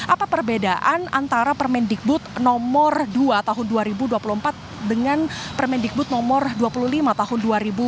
apa perbedaan antara permendikbud nomor dua tahun dua ribu dua puluh empat dengan permendikbud nomor dua puluh lima tahun dua ribu dua puluh